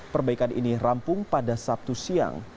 perbaikan ini rampung pada sabtu siang